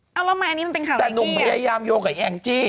แต่นุ่มพยายามโยนกับแองจี้